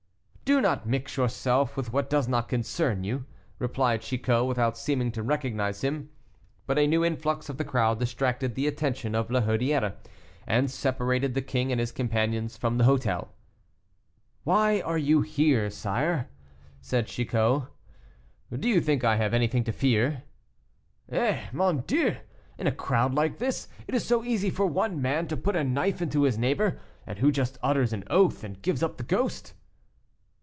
"Do not mix yourself with what does not concern you," replied Chicot, without seeming to recognize him. But a new influx of the crowd distracted the attention of La Hurière, and separated the king and his companions from the hotel. "Why are you here, sire?" said Chicot. "Do you think I have anything to fear?" "Eh! mon Dieu! in a crowd like this it is so easy for one man to put a knife into his neighbor, and who just utters an oath and gives up the ghost."